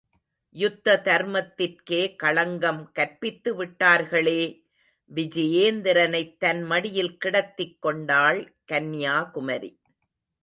யுத்த தர்மத்திற்கே களங்கம் கற்பித்துவிட்டார்களே! விஜயேந்திரனைத் தன் மடியில் கிடத்திக் கொண்டாள் கன்யாகுமரி!